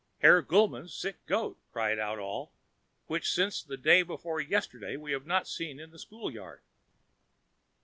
"Herr Gulmann's sick goat!" cried out all, "which, since the day before yesterday, we have not seen in the schoolyard."